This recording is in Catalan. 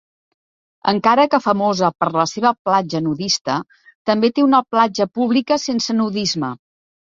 Encara que famosa per la seva platja nudista, també té una platja pública sense nudisme.